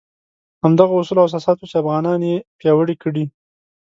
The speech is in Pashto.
همدغه اصول او اساسات وو چې افغانان یې پیاوړي کړي.